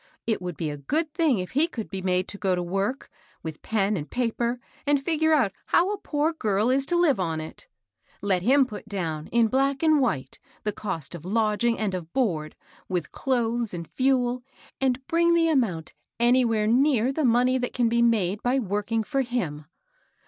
It would be a good thing if he could be made to go to work, with pen and paper, and figure out how a poor girl is to hve on it. Let him put down, in black and white, the cost of (150) DIET) AT HER POST ! 151 lodging and of board, with clothes and fuel, and bring the Amount anywhere near the money that can be made by working for him.